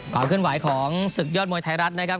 ความเคลื่อนไหวของศึกยอดมวยไทยรัฐนะครับ